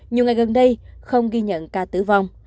nhiều ngày gần đây không ghi nhận ca tử vong